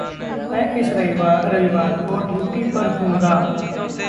मैं इस रविवार को ड्यूटी पर हूँगा।